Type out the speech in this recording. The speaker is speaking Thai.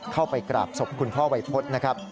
เข้าไปกราบศพคุณพ่อวัยพฤษนะครับ